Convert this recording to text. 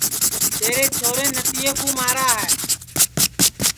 تیرے چھورین نتھیے کُو مارا ہے